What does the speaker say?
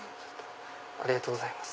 ありがとうございます。